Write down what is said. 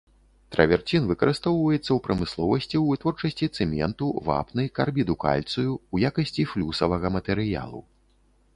Траверцін выкарыстоўваецца ў прамысловасці ў вытворчасці цэменту, вапны, карбіду кальцыю, у якасці флюсавага матэрыялу.